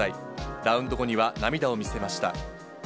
ラウンド後には涙を見せました。